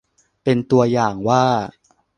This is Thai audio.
เป็นตัวอย่างว่า